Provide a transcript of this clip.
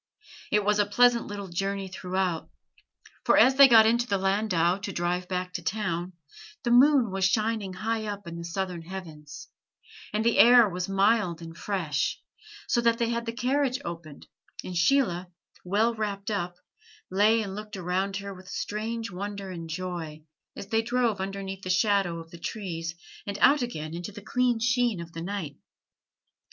It was a pleasant little journey throughout; for as they got into the landau to drive back to town, the moon was shining high up in the southern heavens, and the air was mild and fresh, so that they had the carriage opened, and Sheila, well wrapped up, lay and looked around her with a strange wonder and joy as they drove underneath the shadow of the trees and out again into the clear sheen of the night.